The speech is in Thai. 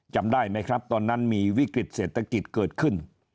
จำได้ไหมครับตอนนั้นมีวิกฤตเศรษฐกิจเกิดขึ้น